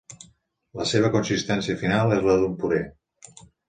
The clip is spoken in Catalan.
La seva consistència final és la d'un puré.